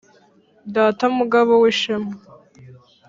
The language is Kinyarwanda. Data Mugabo w’ishema